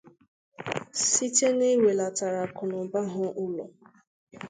site n'iwèlàtàru akụnụba ha ụlọ